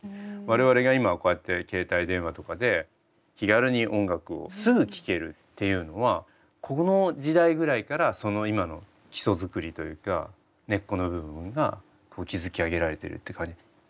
我々が今こうやって携帯電話とかで気軽に音楽をすぐ聴けるっていうのはこの時代ぐらいからその今の基礎作りというか根っこの部分が築き上げられてるって感じ。